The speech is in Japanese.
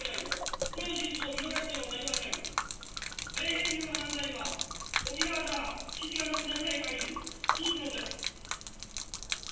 「米兵による犯罪は沖縄から基地がなくならないかぎり続くのです」。